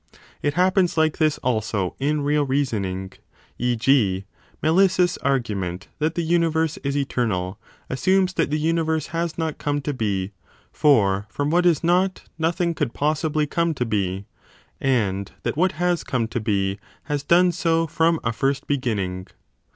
It happens like this also in real reasoning ; e. g. Melissus argument, that the universe is eternal, assumes that the universe has not come to be (for from what is not nothing could possibly come to be) and that what has come 15 to be has done so from a first beginning.